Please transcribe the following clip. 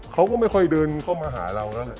เขาก็ไม่ค่อยเดินเข้ามาหาเราแล้วแหละ